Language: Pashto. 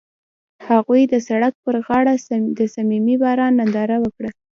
هغوی د سړک پر غاړه د صمیمي باران ننداره وکړه.